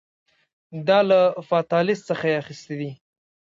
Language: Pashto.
دا له فاتالیس څخه یې اخیستي دي